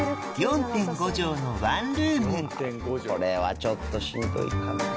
これはちょっとしんどいかな。